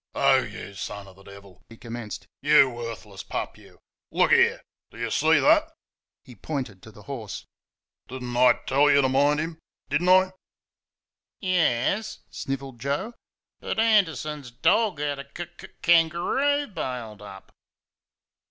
"Oh, YOU son of the Devil!" he commenced. "YOU worthless pup, you! Look there! Do you see that?" (He pointed to the horse.) "Did n't I tell you to mind him? Did n' " "Yes," snivelled Joe; "but Anderson's dog had a k k k angaroo bailed up."